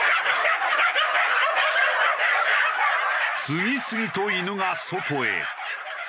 次々と犬が外へ。